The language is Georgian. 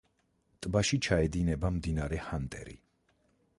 ტბაში ჩაედინება მდინარე ჰანტერი.